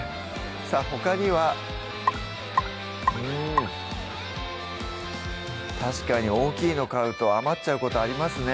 さぁほかにはうん確かに大きいの買うと余っちゃうことありますね